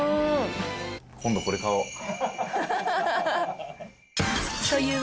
今度、これ買おう。